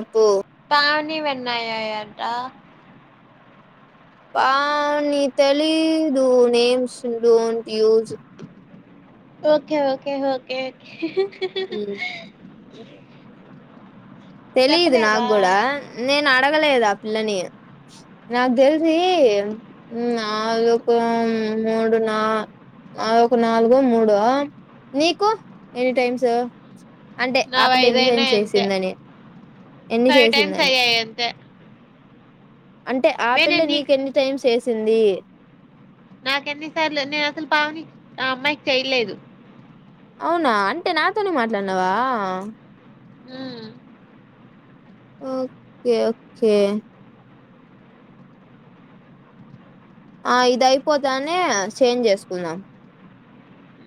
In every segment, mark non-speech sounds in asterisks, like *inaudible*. అబో వినాయయి అంట పానీ తెలీదు names don't use okay okay okay okay మ్మ్ *inaudible* తెలీదు నాకు చెప్పలేదా కూడా నేను అడగలేదు ఆ పిల్లని నాకు తెలిసి మ్ నాలుగు మూడు నాలు ఆ ఒక నాలుగో మూడు ఆహ్ నీకు ఎనీ టైమ్స్ అంటే నావి ఆపలే ఎ నిజైం ఐదైనా అంతే చేసిందని ఎన్ని ఫైవ్ టైమ్స్ చేసిందని అయ్యాయి అంత అంటే ఆ పిల్ల నీకు నీకెన్ని టైమ్స్ వేసింది నాకీ ఎన్నిసార్లు నేను అసలు పావని ఆ అమ్మాయికి చెయలేదు అవునా అంటే నాతోనే మాట్లాడినావా ఉమ్ ఓకే ఓకే ఆ ఇద అయిపోతానే చేంజ్ చేసుకుందాం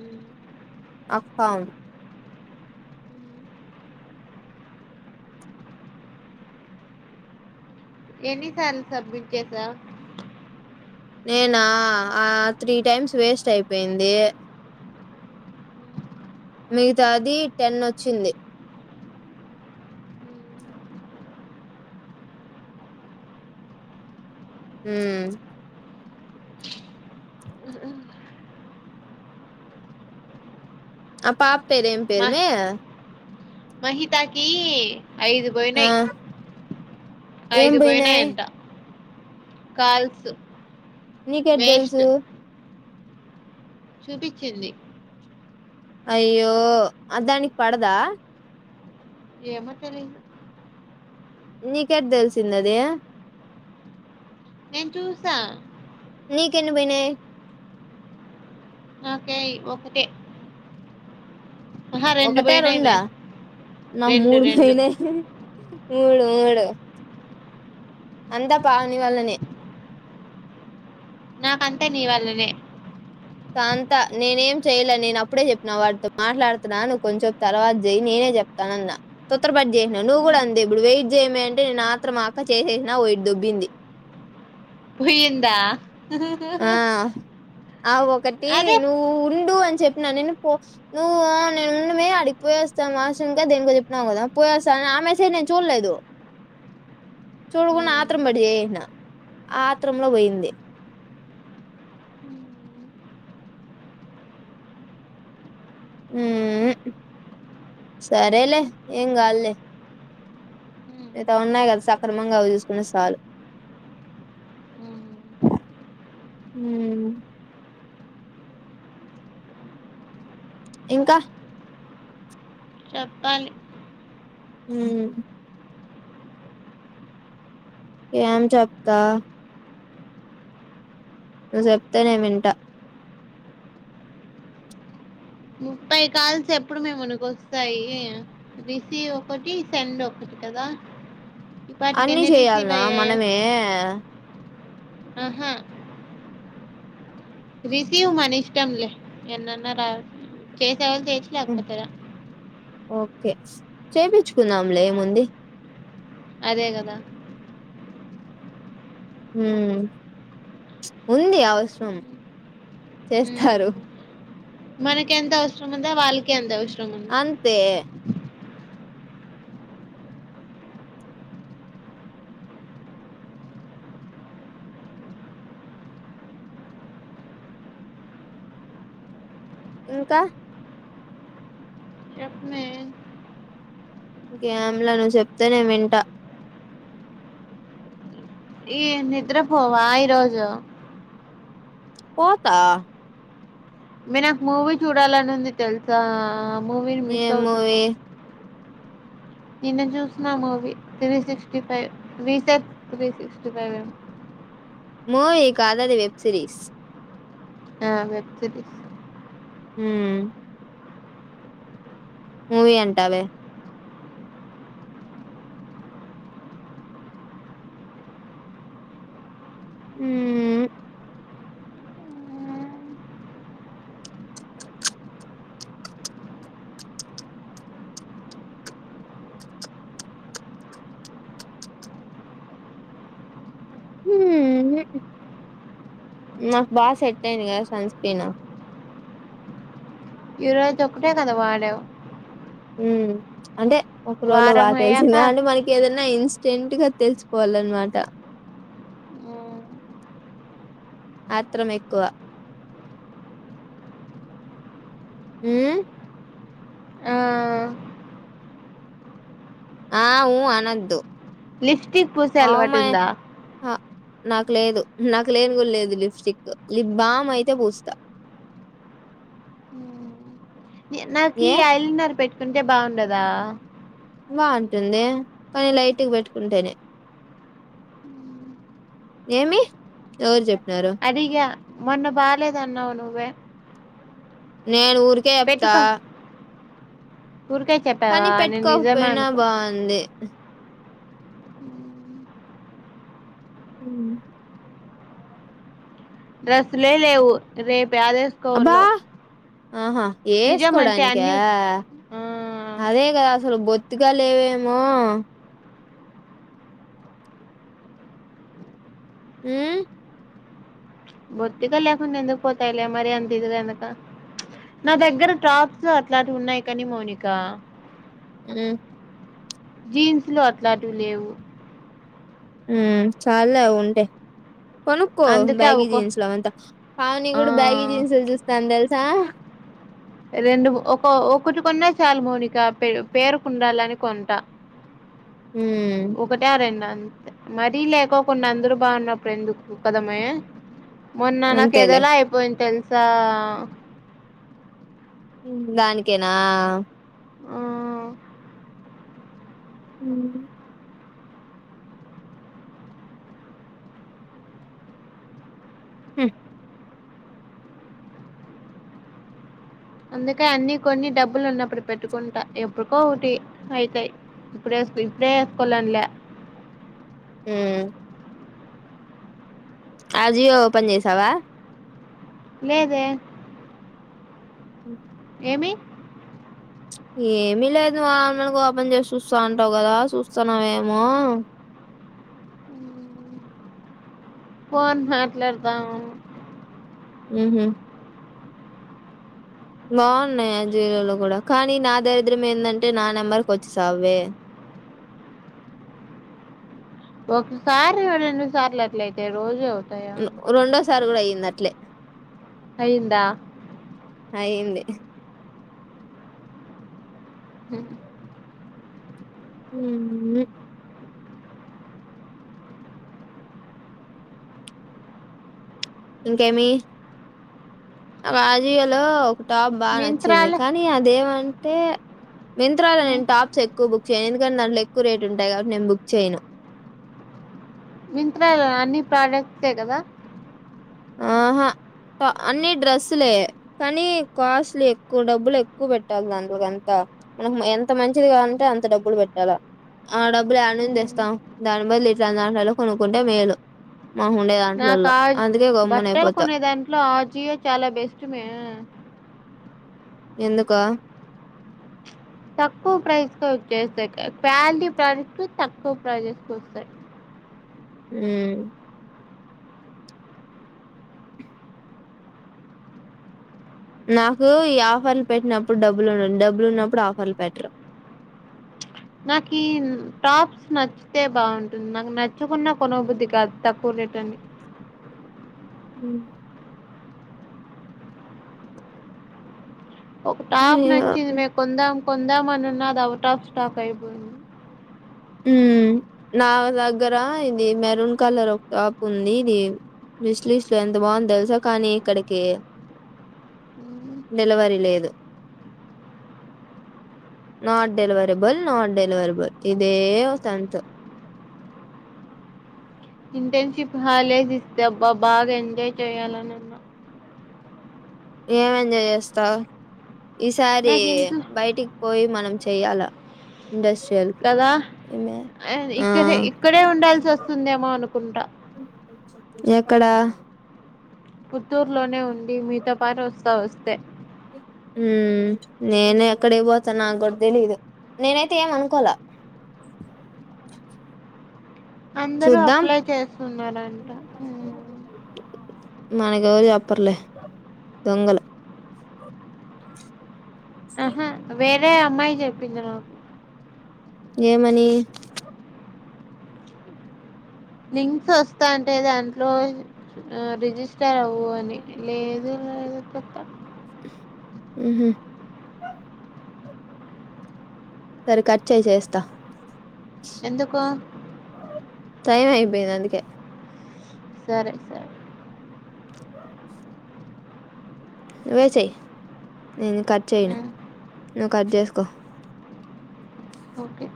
ఉమ్. అఫ్న్ ఎన్ని సార్లు సబ్మిట్ చేసావ్ నేనా ఆ త్రీ టైమ్స్ వేస్ట్ అయిపోయింది మిగతాది టెన్ వచ్చింది మ్మ్ ఆ పాప పేరు ఏం మ- పేరుమే మహితాకి ఐదు ఆ పోయినయి ఏం యిదు పోయినా పోయినాయి అంత కాల్స్ నీకు ఎట్లా వేస్ట్ తెలుసు చూపించింది అయ్యో అ దానికి పడదా ఏమో తెలిదు నీకెట్ తెలిసింది అది నేను చూసా నీకెన్ని పోయినై నాకేయ్ ఒకటి ఒకట మే. రెండా నాకు మూడు పోయినయ్ మూడు మూడు అంత పావని వలనే నాకంత నీ వాళ్లనే తంత నేనేం చెయలే నేను అప్పుడే చెప్పిన వాడితో మాట్లాడుతున్నా నువ్వు కొంచెం తర్వాత చెయయి నేనే చెప్తాను అన్న తురపడి చేసినా నువ్వు హ్మ్. కూడా అంది ఇప్పుడు వెయిట్ చెయ్యమే అంటే నేను ఆత్రం ఆక చేసేసిన వెయిట్ దోబ్బింది వీన్ద్య ఆ అ ఒకటి అదే. నువ్వు ఉండు అన్ చెప్పిన నేను పో నువ్వా నేను ఉన్నుమే అడికి పోయోస్తా వాష్ రూమ్ కో దేనికో చెప్పినవు కదా. పోయోస్తా నేన్ ఆ మెస్సేజ్ నేన్ చూలేదు చూడకుడా హ్మ్. ఆత్రరం పడి చేసేసిన్య ఆ ఆత్రంలో పోయింది. హ్మ్. ఉ ఊ సరేలే ఏమ్ కాద్లే హ్మ్. నీతా ఉన్నాయి కదా సక్రమంగా అవి చూసుకున్న సాలు. హ్మ్. ఉ ఇంకా చెప్పాలి మ్ ఏమ్ చెప్తా నువ్వు చొప్తే నేను వింటా ముప్పై కాల్స్ ఎప్పుడుమే మనికి వస్తాయి. రిసీవ్ ఒకటి సెండ్ ఒకటి కదా. ఆ ఈ పాటికి అన్ని ఎన్ని రిసీవ్ చేయాలనా అయ్యాయో మనమే ఆహా రిసీవ్ మన ఇష్టంలే ఎన్నన్న రా చే జాబ్ చేయచ్చు లేకపోతే ల్యా ఓకే చేయిపించుకున్నాములే ఏముంది అదే కదా ఉమ్ ఉంది అవసరం చేస్తారు మనకేంత అవసరం ఉందో వాళ్ళకి ఎంత అవసరం. ఉంది అంతే ఇంకా చెప్పమే ఇంకేం ల్యా నువ్ చెప్తేనే నేన్ వింటా ఈ నిద్రపోవా ఈ రోజు పోతా మే నాకు మూవీ చూడాలని ఉంది తెలుసా మూవీని మిస్ ఏం అవుతున్నా. మూవీ నిన్న చూసిన movie three sixty five reset three sixty five movie కాదది వెబ్ సిరీస్ ఆ వెబ్ సిరీస్ ఉ వమూవీ అంటవే ఉ ఉ హు నాక్ బాగా సెట్ అయింది కదా సన్ స్క్రీన్ ఈ రోజు ఒక్కటే కదా వాడవ్ ఉ అంటే ఒక రోజులో వారం బాగా అయ్యాక తెలిసిందా అంటే మనకి ఏదన్నా ఇన్స్ టెంట్ గా తెలిసిపోవాలన్నమాట ఆత్రం ఎక్కవ ఊ ఆ, ఆ ఊ అనద్దు లిప్టిక్ పూసే హౌ మై అలవాటుందా హ- నాకు లేదు నాకు లేను కూడా లేదు లిప్స్టిక్కు లిప్ బామ్ అయితే పూస్తా. నాక ఏ ఐ లేనర్ పెట్టుకుంటే బాగుండదా బాగుంటుంది కానీ లైట్ గా పెట్టుకుంటేనే ఏమి ఎవరు చెప్ అడిగా మొన్న బాలేద్దన్నావ్ నువ్వే నేను ఊరికే చెప్తా పెట్టుకో ఊరికే కానీ చెప్పావా నేను నిజమే పెట్టుకోకపోయినా అనుకున్నా బాగుంది ఉ డ్రెస్ లే లేవు రేపు అబ్బా యాదేసుకోవలో ఆహా నిజం అంటే వేసుకోడానిక అన్ని ఆ అదే కదా అసలు బొత్తుగా లేవేమో ఉం బొత్తిగా లేకుంటే ఎందుకు పోతాలే మరి అంత ఇది కనక నా దగ్గర టాప్స్ అట్లాంటి ఉన్నాయి కాని మోనికా అ జీన్స్లు అట్లాంటివి లేవు. ఉ చల్లే అవి ఉంటే కొనుక్కో అందుకే బ్యాగీ అవుకో జీన్స్ లో అంతా పావని ఆ కూడా బ్యాగీ జీన్స్ చూస్తా తెలు త రెండు ఒక ఒకటి కొన్నా చాలు మోనిక పే పేరుకుండాలని కొంట హ్మ్ ఒకట ఆ రెండ అంత మరీ లేక కొన్ని అందరు బాగున్నప్పుడు ఎందుకు కద మ్యా మొన్న నాకు అంతేలే ఏదోలా అయిపోయింది తెలుసా దానికేనా ఆ ఉ ఆ అందుకే అన్ని కొన్ని డబ్బులు ఉన్నప్పుడు పెట్టుకుంటా ఎప్పుడుకో ఒకటి అయితయి ఇప్పుడేసుకో ఇప్పుడే వేసుకోలేంలే ఉం ఆ జియో ఓపెన్ చేసావా లేదే ఉ ఏమి ఏమి లేదు మామూలుగా ఓపెన్ చేసి చూస్తా అంటావు కదా చూస్తాన్నావ ఏమో పోన్ మాట్లాడతా ఆహ బాగున్నాయి ఆ జీయే లో కూడా కానీ నా దరిద్రం ఏందంటే నా నెంబర్కి వచ్చేసవ్వే ఒకసారి రెండు సార్లు అట్లయితే రోజు అవుతాయా రెండోసారి కూడా అయ్యింది అట్లే అయ్యందా అయింది హ ఉహు ఇంకేమి ఆ జియో లో టాప్ బాగా నచ్చింది మింత్రాలు కానీ అదేమంటే మింత్రా లో నేను టాప్స్ ఎక్కువ బుక్ చేయను ఎందుకంట దాట్ ఎక్కువ రేటు ఉంటయి కాబట్టి నేను బుక్ చేయను. మింత్రా అన్ని ప్రోడక్ట్ ఏ కదా ఆహా అన్ని డ్రెస్సులే కానీ కాస్ట్లు ఎక్కువ డబ్బులు ఎక్కువ పెట్టాలి దాంట్కంతా మనకు ఎంత మంచిది కాదంటే అంత డబ్బులు పెట్టాలా ఆ డబ్బులు యాడ నుండి తెస్తాం దాని బదులు ఇట్లా దాంట్లో కొనుక్కుంటే మేలు మా ఉండే నాకు దాంట్లలో ఆ అందుక బట్టలు కొనే దాంట్లో ఆజియో చాలా బెస్ట్ మై ఎందుక తక్కువ ప్రైస్ క వచ్చేస్తాయి క్వాలిటీ ప్రస్ట్ తక్కువ ప్రైజెస్ వస్తాయి. ఉం నాకు ఈ ఆఫర్లు పెట్టినప్పుడు డబ్బులు ఉండడి డబ్బులు ఉన్నప్పుడు ఆఫర్లు పెట్టరు. నాకు ఈ టాప్స్ నచ్చితే బాగుంటుంది నాకు నచ్చకున్న కొన బుద్ధి కాదు తక్కువ చేపండి హ్మ్ ఒక టాప్ అయ్యో నచ్చిందే కొందాం కొందాం అని ఉన్న ఆది ఔట్ ఆఫ్ స్టాక్ అయిపోయింది హ్మ్ నా దగ్గర ఇది మెరూన్ కలర్ ఒక టాప్ ఉంది ఇది విశ్లిస్ట్లో ఎంత బాగుందో తెలుసా కానీ ఎక్కడికి డెలివరీ లేదు నాట్ డెలివేరేబుల్ నాట్ డెలివరేబుల్ ఇ ఇదే ఓతంతు ఇంటర్న్షిప్ హాలిడేస్ ఇస్తే అబ్బా బాగా ఎంజాయ్ చేయాలని ఉంది నాకు ఏం ఎంజాయ్ చేస్తావు ఈసారి నాకు ఇంట్లో బయటికి పోయి మనం చేయాలా ఇండస్ట్రియల్ కి ఏమే అ ఆ ఇక్కడ ఇక్కడే ఉండాల్సి వస్తుందేమో అనుకుంటా ఎక్కడా పుత్తూరులోనే ఉండి మీతో పాటు వస్తా వస్తే హ్మ్ నేను ఎక్కడికి పోతనో నక్ కూడా తెలీదు నేను అయితే ఏమి అనుకోలా అందరూ చూద్దాం అప్లై చేస్తున్నారంట. హ్మ్. మాకు ఎవరు చెప్పారులే దొంగలు ఆహా వేరే అమ్మాయి చెప్పింది నాకు ఏమనీ లింక్స్ వస్తా అంటే దాంట్లో రిజిస్టర్ ఇస్తారు అవవు అని లేదు లేదు పెత్త *inaudible* ఉహ్మ్ సరే కట్ చేసేస్తా ఎందుకు టైమ్ అయిపోయింది అందుకే సరే సరే నువ్వే చేయి నేను కట్ చేయను హ్మ్. నువు కట్ చేస్కో ఓకే